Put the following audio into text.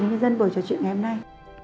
cho người dân buổi trò chuyện ngày hôm nay